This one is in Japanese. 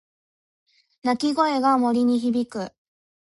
鳴き声が森に響く。